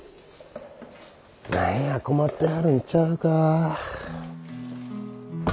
何や困ってはるんちゃうか？